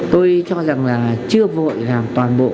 tôi cho rằng là chưa vội làm toàn bộ